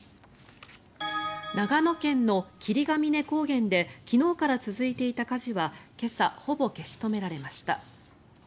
長野県の霧ケ峰高原で昨日から続いていた火事は今朝、ほぼ消し止められました。